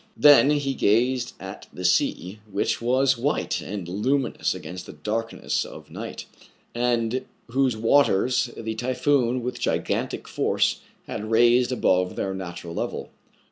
Then he gazed at the sea, which was white and luminous against the darkness of night, and whose waters the typhoon with gigantic force had 'raised above their natural level.